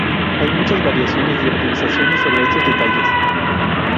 Hay muchas variaciones y optimizaciones sobre estos detalles.